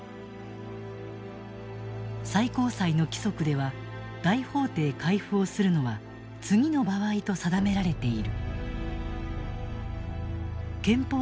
最高裁の規則では大法廷回付をするのは次の場合と定められている。